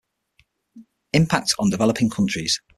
Impact on Developing Countries.